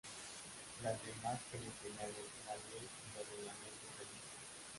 Las demás que le señalen la Ley y los Reglamentos del Instituto.